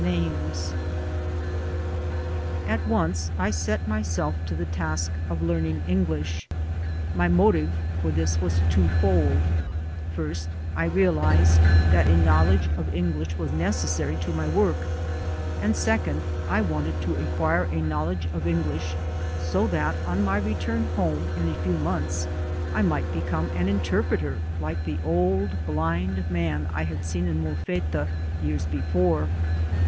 108 THE SOUL OF AN IMMIGRANT At once I set myself to the task of learning Eng lish. My motive for this was twofold: First I realized that a knowledge of English was necessary to my work; and second, I wanted to acquire a knowledge of English so that on my return home in a few months I might become an interpreter like the old blind man I had seen in Molfetta years before.